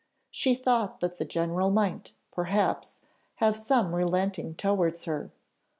She thought that the general might, perhaps, have some relenting towards her.